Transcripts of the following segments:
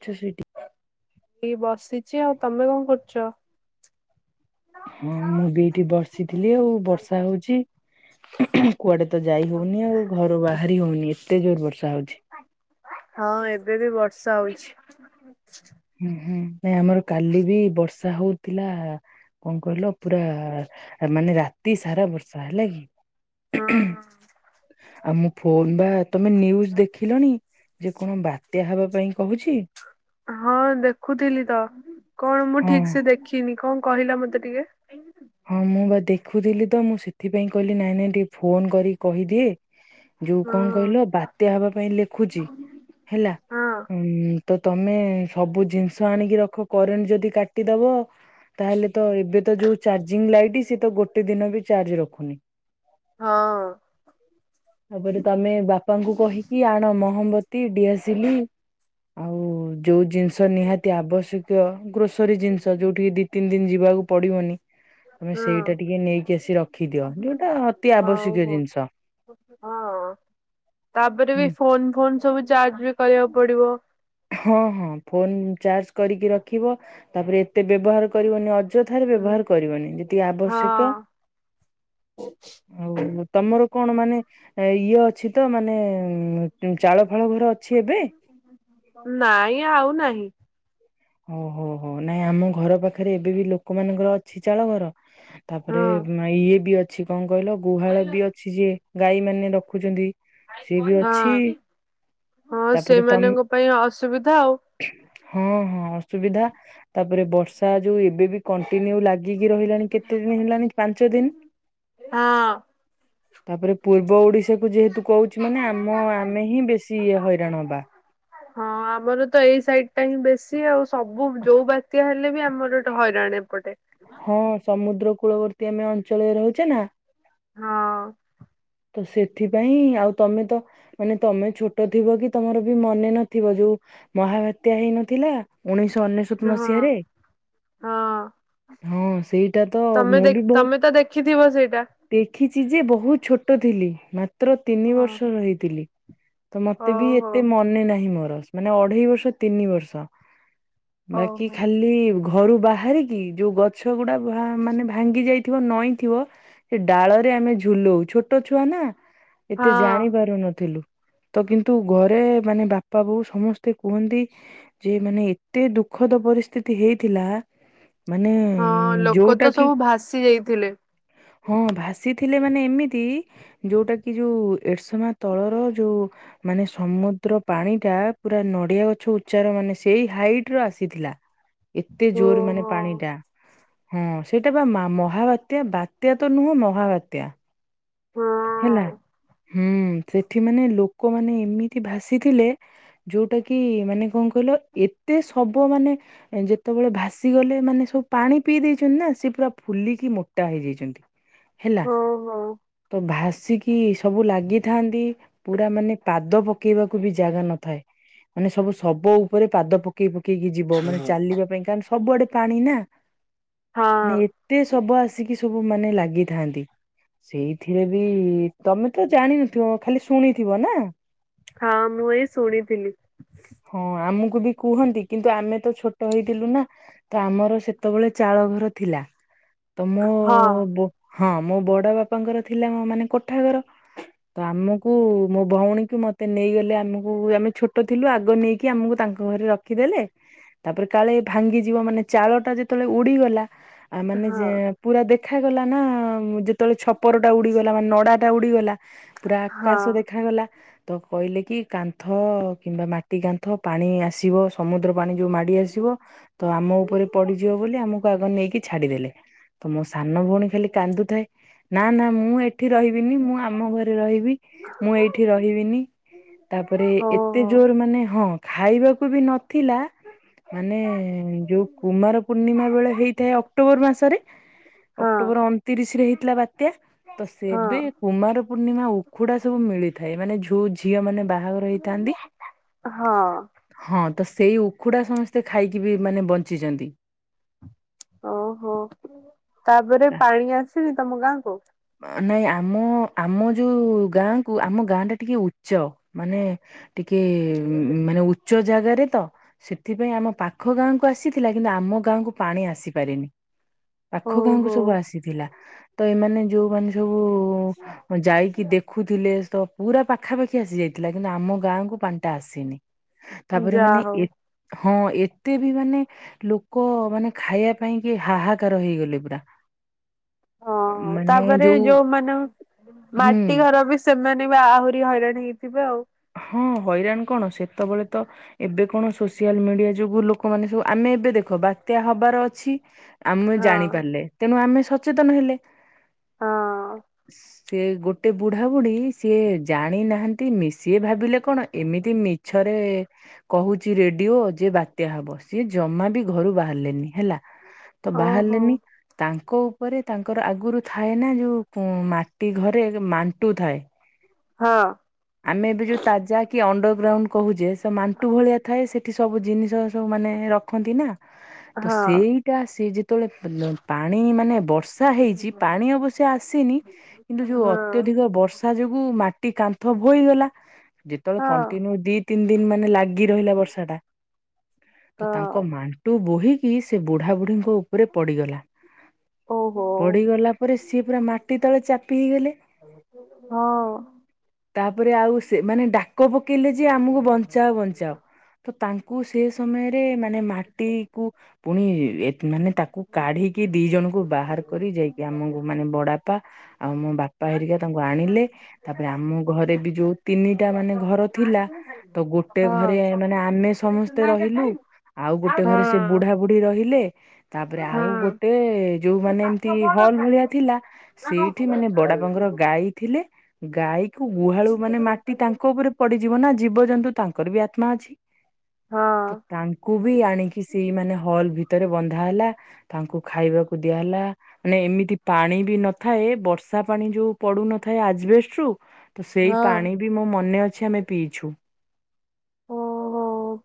ମାଛ ସେଇଟି ଏଇ ବସିଚି ଆଉ ତମେ କଣ କରୁଚ? ହଁ ମୁଁ ବିଏଇଠି ବର୍ଷିଥିଲି ଆଉ ବର୍ଷା ହଉଚି। କୁଆଡ଼େ ତ ଯାଇ ହଉନି ଆଉ ଘରୁ ବାହାରି ହଉନି ଏତେ ଜୋର ବର୍ଷା ହଉଚି। ହଁ ଏବେ ବି ବର୍ଷା ହଉଚି। ଆଛା। ହୁଁ ହୁଁ ନାଇଁ ଆମର କାଲି ବି ବର୍ଷା ହଉଥିଲା କଣ କହିଲ ପୁରା ମାନେ ରାତି ସାରା ବର୍ଷା ହେଲା କି। ହଁ ଆଉ ମୋ ଫୋନ୍ ବା ତମେ ନ୍ୟୁଜ୍ ଦେଖିଲଣି? ଯେ କଣ ବାତ୍ୟା ହବା ପାଇଁ କହୁଛି। ହଁ ଦେଖୁଥିଲି ତ କଣ ମୁଁ ହଁ ଠିକ୍ ସେ ଦେଖିନି କଣ କହିଲ ମତେ ଟିକେ। ହଁ ମୁଁ ବା ଦେଖୁଥିଲି ତ ମୁଁ ସେଥିପାଇଁ କହିଲି ନାଇଁ ନାଇଁ ଟିକେ ଫୋନ୍ କରିକି କହିଦିଏ। ଯୋଉ କଣ ହଁ କହିଲ ବାତ୍ୟା ହବା ପାଇଁ ଲେଖୁଛି ହେଲା। ହଁ ତ ତମେ ସବୁ ଜିନିଷ ଆଣିକି ରଖ କରେଣ୍ଟ ଯଦି କାଟିଦବ ତାହେଲେ ତ ଏବେ ତ ଯୋଉ ଚାର୍ଜିଂ ଲାଇଟ୍ ସେ ତ ଗୋ ଟେ ଦିନବି ଚାର୍ଜ ରଖୁନି। ହଁ। ତାପରେ ତମେ ବାପାଙ୍କୁ କହିକି ଆଣ ମହମବତୀ ଡିଆସିଲି ଆଉ ଯଉ ଜିନିଷ ନିହାତି ଆବଶ୍ୟକୀୟ ଗ୍ରୋସରୀ ଜିନିଷ ଯେଉଁଠିକି ଦୁଇ ତିନି ଦିନ ଯିବାକୁ ପଡ଼ିବନି। ତମେ ହଁ ସେଇଟା ଟିକେ ନେଇକି ଆସି ରଖିଦିଅ ଯୋଉଟା ଅତି ହଉ ଆବଶ୍ୟକୀୟ ହଉ ଜିନିଷ। ହଁ ତାପରେ ହୁଁ। ବି ଫୋନ୍ ଫୋନ୍ ସବୁ ଚାର୍ଜ ବି କରିବାକୁ ପଡ଼ିବ। ହଁ ହଁ ଫୋନ୍ ଚାର୍ଜ କରିକି ରଖିବ ତାପରେ ଏତେ ବ୍ୟବହାର କରିବନି ଅଯଥାରେ ବ୍ୟବହାର କରିବନି ଯେତିକି ଆବଶ୍ୟକ ହଁ। ଆଉ ତମର କଣ ମାନେ ଏ ଇଏ ଅଛି ତ ମାନେ ଚାଳ ଫାଳ ଘରେ ଅଛି ଏବେ? ନାଇଁ ଆଉ ନାହିଁ। ଓ ହୋ ହୋ ନାଇଁ ଆମ ଘର ପାଖରେ ଏବେ ବି ଲୋକମାନଙ୍କର ଅଛି ଚାଳ ଘର। ତାପରେ ହଁ ଉଁ ଇଏ ବି ଅଛି କଣ କହିଲ ଗୁହାଳ ବି ଅ ଛି ଯେ ଗାଈ ମାନେ ରଖୁଛନ୍ତି। ସିଏ ବି ଅଛି ହଁ ହଁ ତାପରେ ତମ ସେମାନଙ୍କ ପାଇଁ ଅସୁବିଧା ଆଉ। ହଁ ହଁ ଅସୁବିଧା ତାପରେ ବର୍ଷା ଯୋଉ ଏବେ ବି କଣ୍ଟିନ୍ୟୁ ଲା ଗିକି ରହିଲାଣି କେତେ ଦିନି ହେଲାଣି ପାଞ୍ଚ ଦିନି। ହଁ। ତାପରେ ପୂର୍ବ ଓଡିଶାକୁ ଯେହେତୁ କହୁଛି ମାନେ ଆମ ଆମେ ହିଁ ବେଶୀ ଇଏ ହଇରାଣ ହବା। ହଁ ଆମର ତ ଏଇ ସାଇଟ୍ ଟା ହିଁ ବେଶୀ ଆଉ। ସବୁ ଯୋଉ ବାତ୍ୟା ହେଲେ ବି ଆମର ଏଇଠି ହଇରାଣ ଏପଟେ। ହଁ ସମୁଦ୍ର କୂଳବର୍ତ୍ତୀ ଆମେ ଅଞ୍ଚଳରେ ରହୁଛେ ନା। ହଁ। ତ ସେଥିପାଇଁ ଆଉ ତମେ ତ ମାନେ ତମେ ଛୋଟ ଥିବ କି ତମର ବି ମନେ ନଥିବ ଯୋଉ ମହାବାତ୍ୟା ହେଇନଥିଲା ଉଣେଇଶହ ଅନେଶ ଶତ ହଁ ମସିହାରେ ହଁ ହଁ ସେଇ। ତମେ ଦେ ତମେ ତ ଦେଖିଥିବ ସେଇଟା? ଦେଖିଛି ଯେ ବହୁତ ଛୋଟ ଥିଲି ମାତ୍ର ତିନି ହଁ ବର୍ଷର ହେଇଥିଲି। ତ ମତେ ବି ହଉ ହଉ ଏତେ ମନେ ନାହିଁ ମୋର। ମାନେ ଅଢେଇ ବର୍ଷ ତିନି ବର୍ଷ ହଉ ବାକି ହଉ ଖାଲି ଘରୁ ବାହାରିକି ଯୋଉ ଗଛ ଗୁଡ଼ା ଭା ମାନେ ଭାଙ୍ଗି ଯାଇଥିବ ନଇଁଥିବ ସେ ଡାଳରେ ଆମେ ଝୁଲୁ ଛୋଟ ଛୁଆ ନା ଏତେ ହଁ ଜାଣି ପାରୁନଥିଲୁ। ତ କିନ୍ତୁ ଘରେ ମାନେ ବାପା ବୋଉ ସମସ୍ତେ କୁହନ୍ତି ଯେ ମାନେ ଏତେ ଦୁଃଖଦ ପରିସ୍ଥିତି ହେଇଥିଲା ମାନେ ହଁ ଲୋକ ଯୋଉଟା ତ କି ସବୁ ଭାସି ଯାଇଥିଲେ। ହଁ ଭାସିଥିଲେ ମାନେ ଏମିତି ଯୋଉଟା କି ଯୋଉ ଏରସମା ତଳର ଯୋଉ ମାନେ ସମୁଦ୍ର ପାଣିଟା ପୁରା ନଡିଆ ଗଛ ଉଚ୍ଚାର ମାନେ ସେଇ ହାଇଟ୍ ର ଆସିଥିଲା। ଏତେ ଜୋର୍ ମାନେ ଓହୋ ପାଣିଟା। ହଁ ସେଇଟା ବା ମା ମହାବାତ୍ୟା ବାତ୍ୟା ତ ନୁହଁ ମହାବାତ୍ୟା। ହଁ। ହେଲା ହୁଁ ସେଠି ମାନେ ଲୋକମାନେ ଏମିତି ଭାସିଥିଲେ ଯୋଉଟା କି ମାନେ କଣ କହିଲ ଏତେ ସବ ମାନେ ଯେତେବେଳେ ଭାସି ଗଲେ ମାନେ ସବୁ ପାଣି ପିଇ ଦେଇଛନ୍ତି ନା ସିଏ ପୁରା ଫୁଲିକି ମୋଟା ହେଇଯାଇଛନ୍ତି। ହେଲା ହଉ ହଉ ତ ଭାସିକି ସବୁ ଲାଗିଥାନ୍ତି ପୁରା ମାନେ ପାଦ ପକେଇବାକୁ ବି ଜାଗା ନଥାଏ ମାନେ ସବୁ ଶବ ଉପରେ ପାଦ ପ କେଇ ପକେଇକି ଯିବ ମାନେ ଚାଲିବା ପାଇଁ କାରଣ ସବୁଆଡେ ପାଣି ନା ହଁ ମାନେ ଏ ତେ ଶବ ଆସିକି ସବୁ ମାନେ ଲାଗିଥାନ୍ତି ସେଇ ଥିରେ ବି ତମେ ତ ଜାଣିନଥିବ ଖାଲି ଶୁଣିଥିବ ନା? ହଁ ମୁଁ ଏଇ ଶୁଣିଥିଲି। ହଁ ଆମକୁ ବି କୁହନ୍ତି କିନ୍ତୁ ଆମେ ତ ଛୋଟ ହେଇଥିଲୁ ନା ତ ଆମର ସେତେବେଳେ ଚାଳ ଘର ଥିଲା। ତ ମୋ ହଁ ବ ହଁ ମୋ ବଡ ବାପାଙ୍କର ଥିଲା ମାନେ କୋଠା ଘର। ତ ଆମକୁ ମୋ ଭଉଣୀକୁ ମତେ ନେଇଗଲେ ଆମକୁ ଆମେ ଛୋଟ ଥିଲୁ ଆଗ ନେଇ କି ଆମକୁ ତାଙ୍କ ଘରେ ରଖିଦେଲେ ତାପରେ କାଳେ ଭାଙ୍ଗିଯିବ ମାନେ ଚାଳଟା ଯେତେବେଳେ ଉଡିଗଲା ଆ ମାନେ ହଁ ଯେ ପୁରା ଦେଖାଗଲା ନା ଯେତେବେଳେ ଛପରଟା ଉଡ଼ିଗଲା ମାନେ ନଡ଼ାଟା ଉଡ଼ିଗଲା। ପୁରା ହଁ ଆକାଶ ଦେଖାଗଲା ତ କହିଲେ କି କାନ୍ଥ କିମ୍ବା ମା ଟି କାନ୍ଥ ପାଣି ଆସିବ ସମୁଦ୍ର ପାଣି ଯୋଉ ମାଡ଼ି ଆସିବ। ତ ଆମ ଉପରେ ପଡିଯିବ ବୋଲି ଆମକୁ ଆଗ ନେଇକି ଛାଡିଦେଲେ ତ ମୋ ସାନ ଭଉଣୀ ଖାଲି କାନ୍ଦୁଥାଏ ନା ନା ମୁଁ ଏ ଠି ରହିବିନି ମୁଁ ଆମ ଘରେ ରହିବି ମୁଁ ଏଇଠି ରହିବିନି। ତାପରେ ହଉ ଏତେ ହଉ ଜୋର୍ ମାନେ ହଁ ଖାଇବାକୁ ବି ନଥିଲା। ମାନେ ଯୋଉ କୁମାର ପୂର୍ଣ୍ଣିମା ବେଳେ ହେଇଥାଏ ଅକ୍ଟୋବର୍ ମାସରେ। ହଁ ଅକ୍ଟୋବର୍ ଅଣତିରିଶ୍ ରେ ହେଇଥିଲା ବା ତ୍ୟା ହଁ ସେବେ କୁମାର ପୂର୍ଣ୍ଣିମା ଉଖୁଡା ସବୁ ମିଳିଥାଏ ମାନେ ଯୋଉ ଝିଅ ମାନେ ବା ଆଉର ହେଇଥାନ୍ତିି, ହଁ ହଁ ତ ସେଇ ଉଖୁଡା ସମସ୍ତେ ଖାଇକି ବି ମାନେ ବଞ୍ଚିଚନ୍ତି। ଓହୋ ତାପରେ ପାଣି ଆସିନି ତମ ଗାଁ କୁ? ନାଇଁ ଆମ ଆମ ଯୋଉ ଗାଁକୁ ଆମ ଗାଁ ଟା ଟିକେ ଉଚ୍ଚ। ମାନେ ଟିକେ ମ୍ ମାନେ ଉଚ୍ଚ ଜାଗାରେ ତ। ସେଥିପାଇଁ ଆମ ପାଖ ଗାଁକୁ ଆସିଥିଲା କିନ୍ତୁ ଆମ ଗାଁକୁ ପାଣି ଆସିପାରିନି। ପାଖ ହଉ ଗାଁକୁ ସବୁ ହଉ ଆସିଥିଲା ତ ଏମାନେ ଯୋଉମାନେ ସବୁ ଯାଇକି ଦେଖୁ ଦେଖୁଥିଲେ ତ ପୁରା ପାଖାପାଖି ଆସି ଯାଇଥିଲା କିନ୍ତୁ ଆମ ଗାଁକୁୁ ପାଣିଟା ଆସିନି। ତାପରେ ଯା ମାନେ ହଉ ଏ ହଁ ଏତେ ବି ମାନେ ଲୋକ ମାନେ ଖାଇବା ପାଇଁ କି ହାହାକାର ହେଇଗଲେ ପୁରା। ହଁ ମାନେ ତାପରେ ଯୋଉ ଯୋଉମାନ ହୁଁ ମାଟି ଘର ବି ସେମାନେ ବି ଆହୁରି ହଇରାଣ ହେଇଥିବେ ଆଉ। ହଁ ହଇରାଣ କଣ ସେତେବେଳେ ତ ଏବେ କଣ ସୋସିଆଲ ମିଡିଆ ଯୋଗୁ ଲୋକମାନେ ସବୁ ଆମେ ଏବେ ଦେଖ ବାତ୍ୟା ହବାର ଅଛି। ଆମେ ହଁ ଜାଣିପାରିଲେ ତେଣୁ ଆମେ ସଚେତନ ହେଲେ। ହଁ ସେ ଗୋଟେ ବୁଢାବୁଢ଼ୀ ସିଏ ଜାଣି ନାହାନ୍ତି ମିଶି ସିଏ ଭାବିଲେ କଣ ଏମି ତି ମିଛରେ କହୁଛି ରେଡିଓ ଯେ ବାତ୍ୟା ହବ ସିଏ ଜମା ବି ଘରୁ ବାହାରିଲେନି ହେଲା। ତ ଓହୋ ବାହାରିଲେନି ତାଙ୍କ ଉପରେ ତାଙ୍କର ଆଗରୁ ଥାଏ ନା ଯୋଉ ମା ଟି ଘରେ ଯୋ ମାଣ୍ଟୁ ଥାଏ। ହଁ। ଆମେ ଏବେ ଯୋଉ ତାଜା କି ଅଣ୍ଡର ଗ୍ରାଉଣ୍ଡ କହୁଛେ ସେ ମାଣ୍ଟୁ ଭଳିଆ ଥାଏ ସେ ସେଠି ସବୁ ଜିନିଷ ସବୁ ମାନେ ରଖନ୍ତି ନା। [inaudible] ତ ସେଇଟା ସିଏ ଯେତେବେଳେ ପ୍ ପାଣି ମାନେ ବର୍ଷା ହେଇଛି ପାଣି ଅବଶ୍ୟ ଆସିନି। କିନ୍ତୁ ଯୋଉ ହଁ ଅତ୍ୟଧିକ ବର୍ଷା ଯୋଗୁ ମାଟି କାନ୍ଥ ଭୋଇଗଲା। ତବେଳେ ହଁ କଣ୍ଟିନ୍ୟୁ ଦି ତିନ୍ ଦିନ୍ ମାନେ ଲାଗି ରହିଲା ବର୍ଷା ଟା ତ ତାଙ୍କ ହଁ ମା ଟୁ ବୋହିକି ସେ ବୁଢା ବୁଢୀଙ୍କ ଉପରେ ପଡିଗଲା ଓହୋ ପଡିଗଲା ପରେ ପରେ ସିଏ ପୁରା ମାଟି ତଳେ ଚାପି ହେଇଗଲେ। ହଁ। ତାପରେ ଆଉ ସେମାନେ ଡାକ ପକେଇଲେ ଯେ ଆମକୁ ବଞ୍ଚାଅ ବଞ୍ଚାଅ ତ ତାଙ୍କ କୁ ସେ ସମୟରେ ମାନେ ମାଟି କୁ ପୁଣି ମାନେ ତାକୁ କାଢିକି ଦି ଜଣଙ୍କୁ ବାହାର କରି ଯାଇକି ଆମକୁ ମାନେ ବଡାପା ଆଉ ମୋ ବାପା ହେରିକା ତାଙ୍କୁ ଆଣିଲେ ତାପରେ ଆମ ଘରେବି ଯୋଉ ତିନିଟା ମାନେ ଘର ଥିଲା ତ ଗୋଟେ ହଁ ଘରେ ମାନେ ଆମେ ସମସ୍ତେ ରହିଲୁ ଆଉ ଗୋଟେ ହଁ ଘରେ ସେ ବୁଢା ବୁଢୀ ରହିଲେ ତାପରେ ଆଉ ହଁ ଗୋଟେ ଯୋଉ ମାନେ ଏମିତି ହଲ୍ ଭଳିଆ ଥିଲା ସେଇଠି ମାନେ ବଡ଼ବାପା ଙ୍କର ଗାଈ ଥିଲେ ଗାଈକୁ ଗୁହାଳୁ ମାନେ ମାଟି ତାଙ୍କ ଉପରେ ପଡ଼ିଯିବନା ଜୀବଜନ୍ତୁ ତାଙ୍କରବି ଆତ୍ମା ଅଛି। ହଁ ତ ତାଙ୍କୁବି ଆଣିକି ସେଇ ମାନେ ହଲ୍ ଭିତରେ ବନ୍ଧା ହେଲା। ତାଙ୍କୁ ଖାଇବାକୁ ଦିଆ ହେଲା। ମାନେ ଏମିତି ପାଣିବି ନଥାଏ ବର୍ଷା ପାଣି ଯୋଉ ପଡୁନଥାଏ ଆଜବେଷ୍ଟରୁୁ ତ ସେଇ ହଁ ପାଣିବି ମୋ ମନେ ଅଛି ଆମେ ପିଇଛୁ।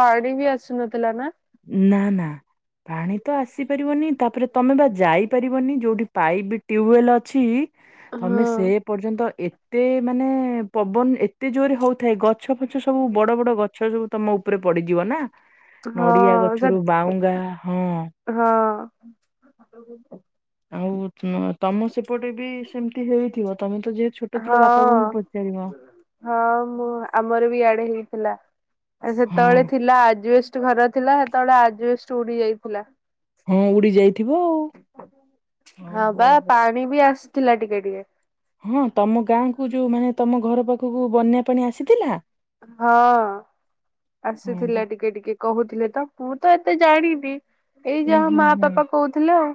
ପାଣିବି ଆସୁନଥିଲା ନା? ନା ନା ପାଣିତ ଆସିପାରିବନି ତାପରେ ତମେବା ଯାଇପାରିବନି ଯୋଉଠି ପାଇପ୍ ଟ୍ୟୁୱେଲ ଅଛି ହଁ ତମେ ସେ ପର୍ଯ୍ୟନ୍ତ ଏତେ ମାନେ ପବନ ଏତେ ଜୋରେ ହଉଥାଏ ଗଛ ଫଛ ସବୁ ବଡ଼ ବଡ଼ ଗ ଗଛସବୁ ତମ ଉପରେ ପଡ଼ିଯିବନା ନଡ଼ିଆ ହଁ ସେ ଗଛରୁ ବାଉଙ୍ଗା ହଁ। ହଁ। ଆଉ ତମ ସେପଟେବି ସେମିତି ହେଇଥିବ ତମେତ ଯେହେ ଛୋଟଥିଲ ବାପା ବୋଉଙ୍କୁ ହଁ ପଚାରିବ। ହଁ ମୁଁ ଆମରବି ଇଆଡ଼େ ହେଇଥିଲା ହଁ ସେତେବେଳେ ଥିଲା ଆଜବେଷ୍ଟ୍ ଘର ଥିଲା ହେତେବେଳେ ଆଜିବେଷ୍ଟ ଉଡ଼ି ଯାଇଥିଲା। ହଁ ଉଡ଼ି ଯାଇଥିବ ଆଉ। ହଁବା ଓହୋ ହୋ। ପାଣିବି ଆସିଥିଲା ଟିକେ ଟିକେ। ହଁ ତମ ଗାଁକୁ ଯୋଉ ମାନେ ତମ ଘର ପାଖକୁ ବନ୍ୟା ପାଣି ଆସିଥିଲା? ହଁ ହଁ ବା ଆସିଥିଲା ଟିକେ ଟିକେ। କହୁଥିଲେତ ମୁଁତ ଏତେ ଜାଣିନି ଏଇ ହୁଁ ଯାହା ହୁଁ ମା ହୁଁ ବାପା କହୁଥିଲେ ଆଉ।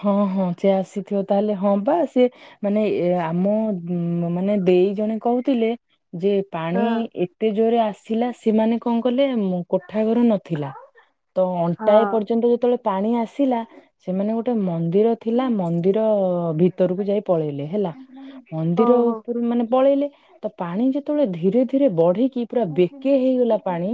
ହଁ ହଁ ସେ ଆସିଥିବ ତାହେଲେ ହଁପା ସେ ମାନେ ଏ ଆମ ହୁଁ ମାନେ ଦେଇ ଜଣେ କହୁଥିଲେ ଯେ ପାଣି ହଁ ଏ ଏତେ ଜୋରେ ଆସିଲା ସେମାନେ କଣ କଲେ କୋଠା ଘର ନଥିଲା ତ ଅଣ୍ଟାଏ ହଁ ପର୍ଯ୍ୟନ୍ତ ଯେତେବେଳେ ପାଣି ଆସିଲା ସେମାନେ ଗୋଟେ ମନ୍ଦିର ଥିଲା ମନ୍ଦିର ଭିତରକୁ ଯାଇ ପଳେଇଲେ ହେଲା। ମନ୍ଦିର ଓହୋ ଉପରୁ ମାନେ ପଳେଇଲେ ତ ପାଣି ଯେତେବେଳେ ଧୀରେ ଧୀରେ ବଢିକି ପୁରା ବେକେ ହେଇଗଲା ପାଣି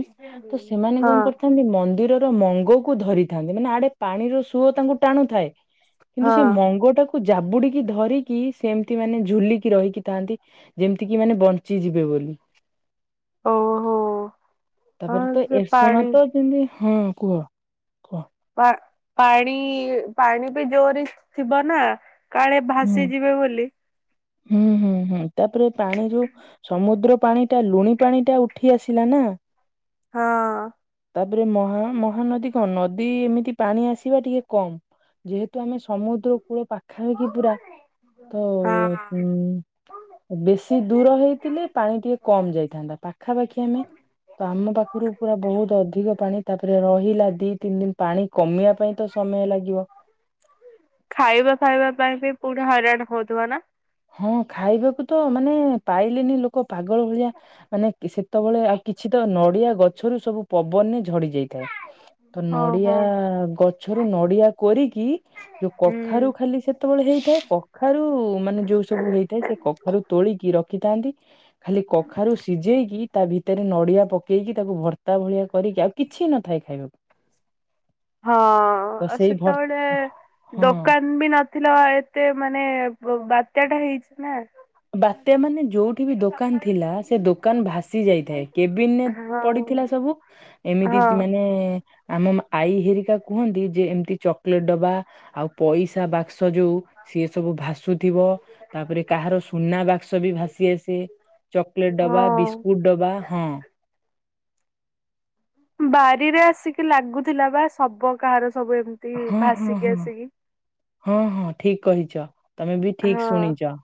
ତସେମାନେ ହଁ। କଣ କରିଥାନ୍ତି ମନ୍ଦିରର ମଙ୍ଗକୁ ଧରିଥାନ୍ତି ମାନେ ଆଡ଼େ ପାଣିର ସୁଅ ତାଙ୍କୁ ଟାଣୁଥାଏ କିନ୍ତୁ ସେ ହଁ ମଙ୍ଗଟାକୁ ଜାବୁଡ଼ିକି ଧରିକି ସେମିତି ମାନେ ଝୁଲିକି ରହିକି ଥାଆନ୍ତି। ଯେମିତିକିି ମାନେ ବଞ୍ଚି ଯିବେ ବୋଲି। ଓହୋ ହଁ ତାପରେତ ସେ ଏରଶ ପାଣି ମାତ ଯେମିତି ହଁ କୁହ। କୁହ। ପା ପାଣି ପାଣିବି ଜୋରେ ଥିବନା କାଳେ ହୁଁ। ଭାସିଯିବେ ବୋଲି ହୁଁ ହୁଁ ହୁଁ ତାପରେ ପାଣି ଯୋଉ ସମୁଦ୍ର ପାଣି ଟା ଲୁଣି ପାଣିଟା ଉଠି ଆସିଲାନା ହଁ। ତାପରେ ମହା ମହାନଦୀ କଁ ନଦୀ ଏମିତି ପାଣି ଆସିବା ଟିକେ କମ୍ ଯେହେତୁ ଆମେ ସମୁଦ୍ର କୂଳ ପାଖା ପାଖି ପୁରା ତ ଉଁ [inaudible] ବେଶୀ ଦୂର ହେଇଥିଲେ ପାଣି ଟିକେ କମ୍ ଯାଇଥାନ୍ତା ପାଖାପାଖି ଆମେ। ତ ଆମ ପାଖରୁ ପୁରା ବହୁତ ତ ଅଧିକ ପାଣି ତାପରେ ରହିଲା ଦି ତିନି ଦିନ ପାଣି କମିବା ପାଇଁ ତ ସମୟ ଲାଗିବ। ଖାଇବା ଫାଇବା ପାଇଁ ବି ପୁଣି ହଇରାଣ ହଉଥିବ ନା। ହଁ ଖାଇବାକୁ ତ ମାନେ ପାଇଲେନି ଲୋକ କ ପାଗଳ ଭଳିଆ ମାନେ ସେତେବେଳେ ଆଉ କିଛି ତ ନଡିଆ ଗ ଛରୁ ସବୁ ପବନରେ ଝଡି ଯାଇଥାଏ। ତ ହଁ ନଡିଆ ହଁ। ଗଛରୁ ନଡିଆ କୋରିକି ଯୋଉ ହୁଁ କଖାରୁ ଖାଲି ସେ ଯେତେବେଳେ ହେଇଥାଏ କଖାରୁ ମାନେ ଯୋଉ ସବୁ ହେଇଥାଏ ସେ କଖାରୁ ତୋଳିକି ରଖିଥାନ୍ତି। ଖାଲି କଖାରୁ ସିଝେଇକି ତା ଭିତରେ ନଡିଆ ପକେଇକି ତାକୁ ଭର୍ତ୍ତା ଭଳିଆ କରିକି ଆଉ କିଛି ନଥାଏ ଖାଇବାକୁ। ହଁ ତ ଆଉ ସେଇ ଭର୍ତ୍ତା ସେତେବେଳେ ହଁ ଦୋକାନ ବି ନ ଥିଲା ଏତେ ମାନେ ବାତ୍ୟା ଟା ହେଇଛି ନା। ବାତ୍ୟା ମାନେ ଯୋଉଠି ବି ଦୋକାନ ଥିଲା ସେ ଦୋକାନ ଭାସି ଯାଇଥାଏ କେବିନରେ ହଁ ପଡିଥିଲା ସବୁ ଏମିତି କି ହଁ ମାନେ- ଆମ ଆଈ ହେରିକା କୁହନ୍ତି ଯେ ଏମିତି ଚକୋଲେଟ ଡବା ଆଉ ପଇସା ବାକ କ୍ସ ଯୋଉ ସିଏ ସବୁ ଭାସୁଥିବ ତାପରେ କାହାର ସୁନା ବାକ୍ସ ବି ଭାସି ଆସେ ଚକୋଲେଟ ଡ ବା ହଁ। ବିସ୍କୁଟ ଡବା ହଁ। ବାରିରେ ଆସିକି ଲାଗୁଥିଲା ବା ସବ କାହାର ସବୁ ଏମତି। ହଁ ହଁ ହଁ ହଁ ହଁ ଠିକ୍ କହିଛ ତମେ ବି ଠିକ୍ ହଁ ଶୁଣିଛ।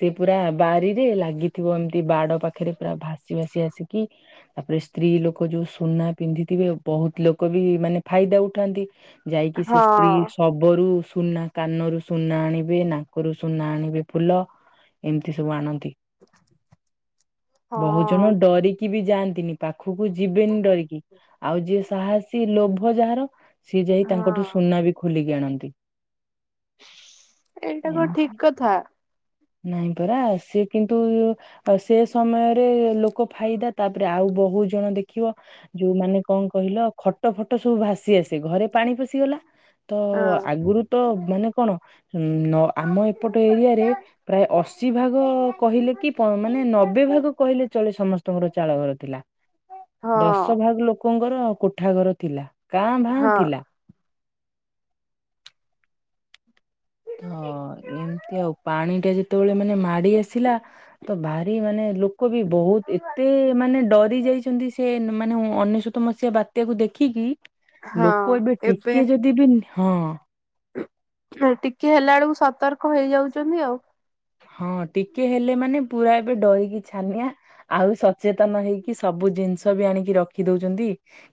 ସେ ପୁରା ବାରିରେ ଲାଗିଥିବ ଏମତି ବାଡ ପାଖରେ ପୁରା ଭାସି ଭାସି ଆସିକି। ତାପରେ ସ୍ତ୍ରୀ ଲୋକ ଯୋଉ ସୁନା ପିନ୍ଧିଥିବେ ବହୁତ ଲୋକ ବି ମାନେ ଫାଇଦା ଉଠାନ୍ତି। ଯାଇକି ସେ ହଁ ସ୍ତ୍ରୀ ଶବରୁ ସୁନା କାନରୁ ସୁନା ଆଣିବେ ନାକରୁ ସୁନା ଆଣିବେ। ଫୁଲ ଏମିତି ସବୁ ଆଣନ୍ତି ହଁ ବହୁ ଜଣ ଡରି ବି ଯାଆନ୍ତିନି ପାଖକୁ ଯିବେନି ଡରିକି ଆଉ ଯିଏ ସାହସୀ ଲୋଭ ଯାହାର ସିଏ ଯାଇ ତାଙ୍କଠୁ ହଁ। ସୁନା ବି ଖୋଲିକି ଆଣନ୍ତି। ଏଇଟା କଣ ଏମିତି ଠିକ୍ କଥା। ନାଇଁ ପରା ସିଏ କିନ୍ତୁ ଆଉ ସେ ସମୟରେ ଲୋକ ଫାଇଦା ତାପରେ ଆଉ ବହୁ ଜଣ ଦେଖିବ ଯୋଉମାନୋନ କଣ କହିଲ ଖଟ ଫଟ ସବୁ ଭାସି ଆସେ ଘରେ ପାଣି ପଶିଗଲା। ତ ହଁ ଆଗରୁ ତ ମାନେ କଣ ଆମ ଏପଟ ଏରିଆରେ ପ୍ରାୟ ଅଶୀ ଭାଗ କହିଲେ କି ମାନେ ନବେ ଭାଗ କହିଲେ ଚଳେ ସମସ୍ତେ। ତମର ଚାଳ ଘର ଥିଲା ଦଶ ହଁ। ଭାଗ ଲୋକ ଲୋକଙ୍କର କୋଠା ଘର ଥିଲା କାଁ ଭାଁ ହଁ ଥିଲା। ହ ଏମିତି ଆଉ ପାଣି ଟା ଯେତେବେଳେ ମାନେ ମାଡି ଆସିଲା। ତ ଭାରି ମାନେ ଲୋକ ବି ବହୁତ ଏତେ ମାନେ ଡରି ଯାଇଛନ୍ତି ସେ ମାନେ ଅନେଶ୍ୱତ ମସିହା ବାତ୍ୟାକୁ ଦେଖିକି ଲୋକ ଏବେ ଟିକେ ଯଦି ଦିବିନ ହଁ ଟିକେ ହେଲା ବେଳକୁ ସତର୍କ ହେଇଯାଉଛନ୍ତି ଆଉ ହଁ ଟିକେ ହେଲେ ମାନେ ପୁରା ଏବେ ଡରକି ଛାନିଆ ଆଉ ସଚେତନ ହେଇକି ସବୁ ଜିନିଷ ବି ଆଣିକି ରଖି ଦଉଛନ୍ତି।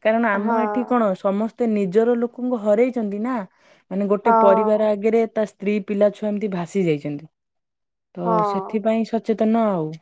କାରଣ ହଁ ଆମ ଏଠି କଣ ସମସ୍ତେ ନିଜର ଲୋକଙ୍କୁ ହରେଇଛନ୍ତି ନା। ମାନେ ଗୋଟେ ହଁ ପରିବାର ଆଗରେ ତା ସ୍ତ୍ରୀ ପିଲା ଛୁଆ ଏମିତି ଭାସି ଯାଇଛନ୍ତି। ତ ହଁ। ସେଥିପାଇଁ ସଚେତନ ଆଉ।